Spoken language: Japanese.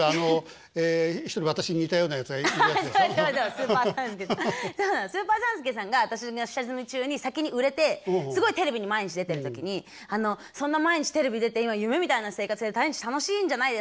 スーパー３助さんが私の下積み中に先に売れてすごいテレビに毎日出てる時に「そんな毎日テレビ出て今夢みたいな生活で毎日楽しいんじゃないですか？」